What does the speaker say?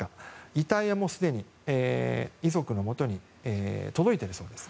遺体はすでに遺族のもとに届いているそうです。